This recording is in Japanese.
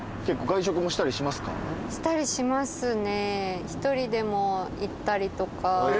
したりしますね。